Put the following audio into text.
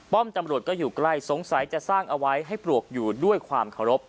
ตำรวจก็อยู่ใกล้สงสัยจะสร้างเอาไว้ให้ปลวกอยู่ด้วยความเคารพ